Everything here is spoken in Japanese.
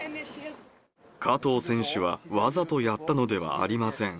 加藤選手はわざとやったのではありません。